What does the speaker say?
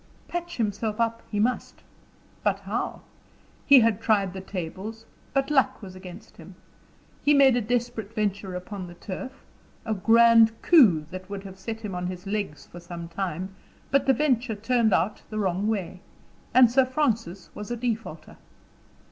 Patch himself up he must. But how? He had tried the tables, but luck was against him; he made a desperate venture upon the turf, a grand coup that would have set him on his legs for some time, but the venture turned out the wrong way, and Sir Francis was a defaulter.